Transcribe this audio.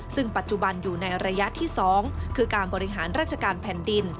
ซึ่งปัจจุบันอยู่ในระยะที่๒คือการบริหารราชการแผ่นดิน